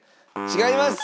違います。